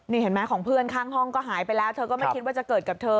นี่เห็นไหมของเพื่อนข้างห้องก็หายไปแล้วเธอก็ไม่คิดว่าจะเกิดกับเธอ